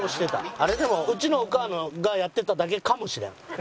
あれでもうちのお母がやってただけかもしれん。